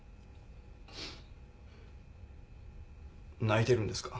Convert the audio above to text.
・泣いてるんですか？